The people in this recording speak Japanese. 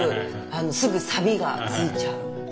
すぐさびがついちゃう。